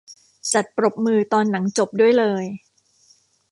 จัดปรบมือตอนหนังจบด้วยเลย